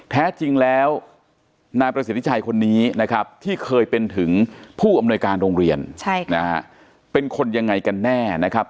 แท้จริงแล้วนายประสิทธิชัยคนนี้นะครับที่เคยเป็นถึงผู้อำนวยการโรงเรียนเป็นคนยังไงกันแน่นะครับ